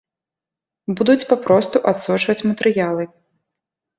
Будуць папросту адсочваць матэрыялы.